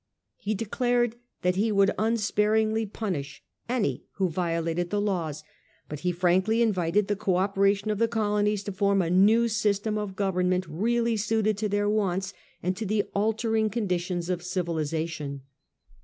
He declared that he would unsparingly punish any who violated the laws, but he frankly invited the co operation of the colonies to form a new system of government really suited to their wants and to the altering conditions of civilisation.